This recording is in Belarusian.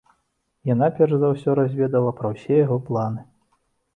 Яна перш за ўсё разведала пра ўсе яго планы.